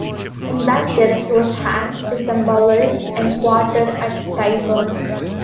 In that year he was hanged, disembowelled, and quartered at Tyburn.